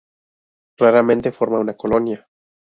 Raramente forma una colonia.